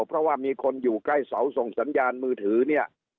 เพราะว่ามีคนอยู่ใกล้เสาส่งสัญญาณมือถือเนี่ย